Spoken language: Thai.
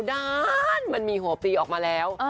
ด้านมันมีหัวปีออกมาแล้ว